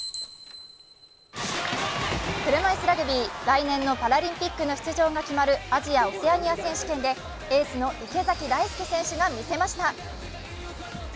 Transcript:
車いすラグビー、来年のパラリンピックの出場が決まるアジア・オセアニア選手権でエースの池崎大輔選手が見せました。